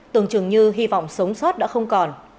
tưởng chừng như hy vọng sống sót đã không còn